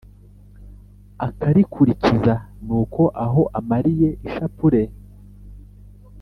akar ikurikiza nuko aho amariye ishapule,